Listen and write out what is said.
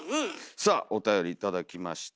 さあおたより頂きました。